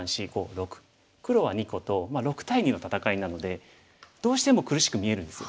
黒は２個と６対２の戦いなのでどうしても苦しく見えるんですよ。